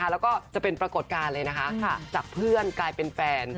แล้วก็จะเป็นปรากฏการณ์เลยนะคะจากเพื่อนกลายเป็นแฟน